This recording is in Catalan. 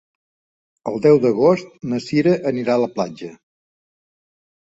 El deu d'agost na Cira anirà a la platja.